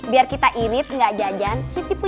bukan mau pindahan tau